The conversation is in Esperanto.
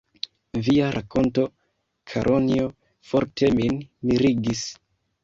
Via rakonto, Karonjo, forte min mirigis.